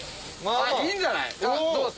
いいんじゃない？